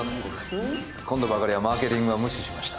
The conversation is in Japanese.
うん？今度ばかりはマーケティングは無視しました。